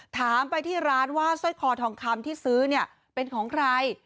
ถามไปที่ร้านว่าสร้อยคอทองคำที่ซื้อเนี่ยเป็นของใคร